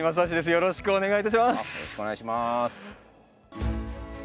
よろしくお願いします。